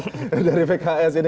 itu ketidakpuasan dari pks ini